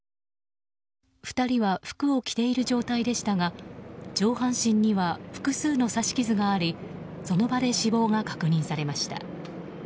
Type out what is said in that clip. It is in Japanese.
２人は服を着ている状態でしたが上半身には複数の刺し傷がありその場で死亡が確認されました。